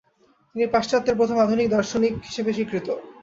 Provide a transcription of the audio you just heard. তিনি পাশ্চাত্যের প্রথম আধুনিক দার্শনিক হিসেবে স্বীকৃত।